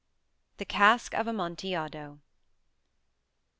THE CASK OF AMONTILLADO.